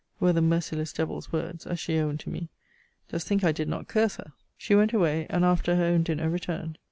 were the merciless devil's words, as she owned to me. Dost think I did not curse her? She went away; and, after her own dinner, returned.